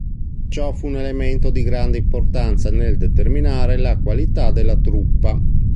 Ciò fu un elemento di grande importanza nel determinare la qualità della truppa.